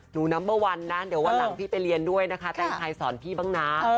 นัมเบอร์วันนะเดี๋ยววันหลังพี่ไปเรียนด้วยนะคะแต่งไทยสอนพี่บ้างนะ